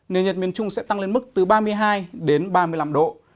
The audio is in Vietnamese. nền nhiệt miền trung sẽ tăng lên mức từ ba mươi hai đến ba mươi năm độ